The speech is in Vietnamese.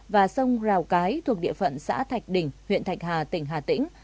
và sông rào cái thuộc địa phận xã thạch đỉnh huyện thạch hà tỉnh hà tĩnh